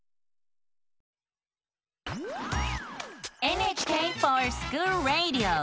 「ＮＨＫｆｏｒＳｃｈｏｏｌＲａｄｉｏ」！